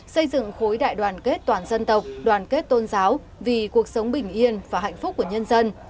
xây dựng khối đại đoàn kết toàn dân tộc đoàn kết tôn giáo vì cuộc sống bình yên và hạnh phúc của nhân dân